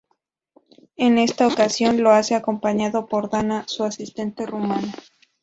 En esta ocasión, lo hace acompañado por Dana, su asistenta rumana.